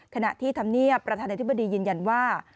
ขณะที่ธรรมเนียบประธานาธิบดียืนยันว่า